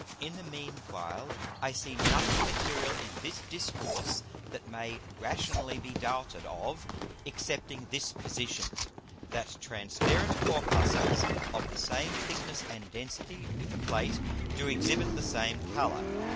In the mean while I see nothing material in this Discourse that may rationally be doubted of, excepting this Position: That transparent Corpuscles of the same thickness and density with a Plate, do exhibit the same Colour.